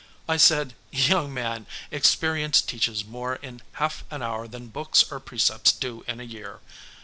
I said, "Young man, experience teaches more in half an hour than books or precepts do in a year.